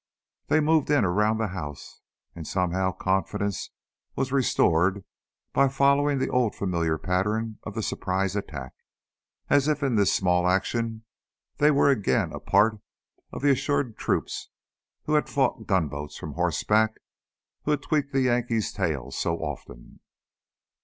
They moved in around the house, and somehow confidence was restored by following the old familiar pattern of the surprise attack as if in this small action they were again a part of the assured troops who had fought gunboats from horseback, who had tweaked the Yankees' tails so often.